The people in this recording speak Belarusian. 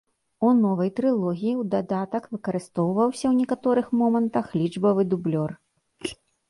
У новай трылогіі ў дадатак выкарыстоўваўся ў некаторых момантах лічбавы дублёр.